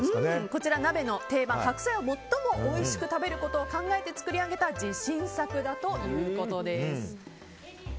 こちら、鍋の定番・白菜を最もおいしく食べることを考えて作り上げた自信作だということです。